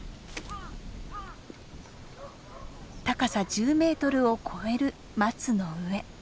高さ１０メートルを超える松の上。